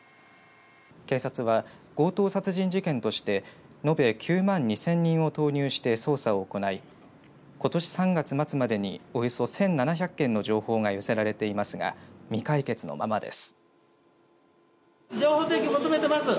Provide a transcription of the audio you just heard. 警察は強盗殺人事件として延べ９万２０００人を投入して捜査を行いことし３月末までにおよそ１７００件の情報が寄せられていますが未解決のままです。